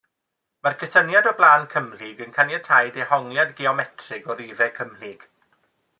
Mae'r cysyniad o blân cymhlyg yn caniatáu dehongliad geometrig o rifau cymhlyg.